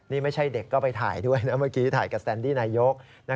นี่ไม่ใช่เด็กก็ไปถ่ายด้วยนะเมื่อกี้ถ่ายกับแซนดี้นายก